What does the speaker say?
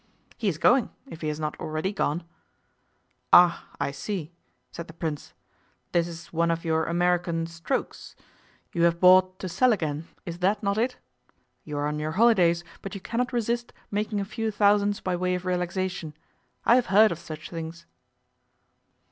'He is going, if he has not already gone.' 'Ah! I see,' said the Prince; 'this is one of your American "strokes". You have bought to sell again, is that not it? You are on your holidays, but you cannot resist making a few thousands by way of relaxation. I have heard of such things.